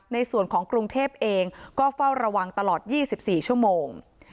ในส่วนของกรุงเทพเองก็เฝ้าระวังตลอด๒๔ชั่วโมง